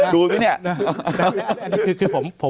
ดูสิ